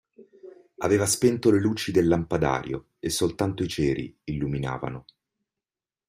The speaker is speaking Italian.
Aveva spento le luci del lampadario e soltanto i ceri illuminavano.